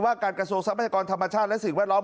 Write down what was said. การกระทรวงทรัพยากรธรรมชาติและสิ่งแวดล้อม